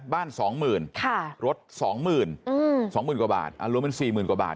บ้าน๒หมื่นรถ๒หมื่น๒หมื่นกว่าบาทรวมเป็น๔หมื่นกว่าบาท